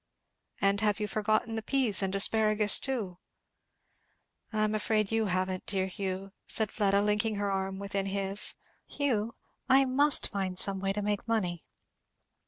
"And have you forgotten the peas and the asparagus too?" "I am afraid you haven't, dear Hugh," said Fleda, linking her arm within his. "Hugh, I must find some way to make money."